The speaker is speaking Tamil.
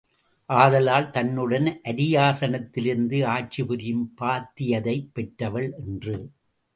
ஆதலால் தன்னுடன் அரியாசனத்திலிருந்து ஆட்சி புரியும் பாத்தியதை பெற்றவள் என்று.